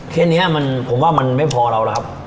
แค่เนี้ยมันผมว่ามันไม่พอเรานะครับ